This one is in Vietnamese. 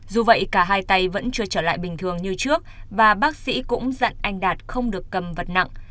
dù vậy cả hai tay vẫn chưa trở lại bình thường như trước và bác sĩ cũng dặn anh đạt không được cầm vật nặng